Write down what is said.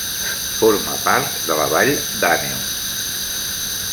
Forma part de la Vall d'Àneu.